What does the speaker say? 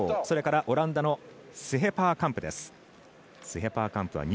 それから、オランダのスヘパーカンプ。